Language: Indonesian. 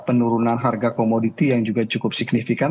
penurunan harga komoditi yang juga cukup signifikan